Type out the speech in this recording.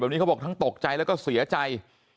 นี้เขาบอกทั้งตกใจแล้วก็เสียใจ